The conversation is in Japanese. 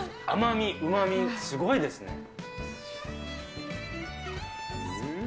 甘み、うまみ、すごいですね。